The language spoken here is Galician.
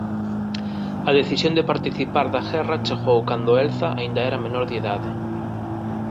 A decisión de participar da guerra chegou cando Elza aínda era menor de idade.